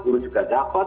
guru juga dapat